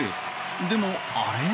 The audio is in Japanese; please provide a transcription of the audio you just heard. でもあれ？